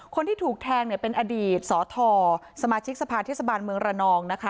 คนที่ถูกแทงเนี่ยเป็นอดีตสทสมาชิกสภาเทศบาลเมืองระนองนะคะ